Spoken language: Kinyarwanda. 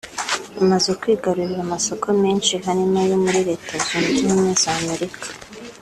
rumaze kwigarurira amasoko menshi harimo ayo muri Leta Zunze Ubumwe za Amerika